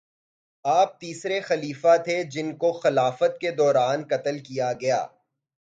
آپ تیسرے خلیفہ تھے جن کو خلافت کے دوران قتل کیا گیا